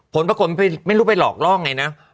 ผลปรากฏไม่รู้ไปหลอกล่องไงนะ